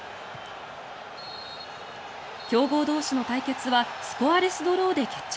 強豪同士の対決はスコアレスドローで決着。